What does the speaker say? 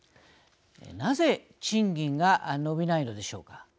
なぜ賃金が伸びないのでしょうか。